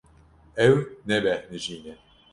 Ew nebêhnijî ne.